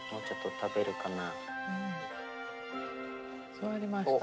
座りました。